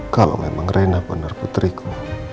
kalau memang rena benar putriku